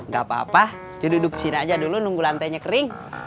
gapapa duduk kesini aja dulu nunggu lantainya kering